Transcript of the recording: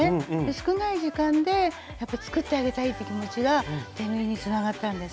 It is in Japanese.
少ない時間でやっぱり作ってあげたいっていう気持ちが手縫いにつながったんです。